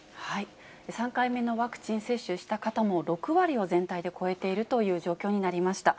３回目のワクチン接種した方も、６割を、全体で超えているという状況になりました。